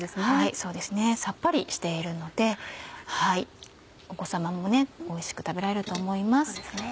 そうですねさっぱりしているのでお子様もおいしく食べられると思います。